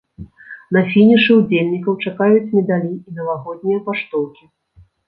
На фінішы ўдзельнікаў чакаюць медалі і навагоднія паштоўкі.